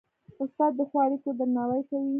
استاد د ښو اړيکو درناوی کوي.